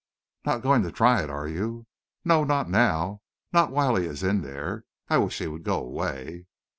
"Not going to try it, are you?" "No, not now. Not while he is in there. I wish he would go away."